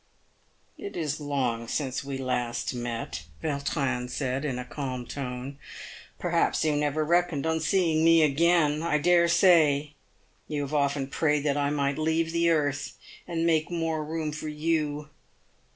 " It is long since we last met," Yautrin said, in a calm tone. " Per haps you never reckoned on seeing me again. I dare say you have often prayed I might leave the earth and make more room for you.